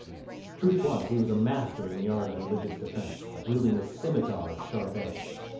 Truth was, he was a master in the art of religious defence, wielding a scimitar of sharp edge.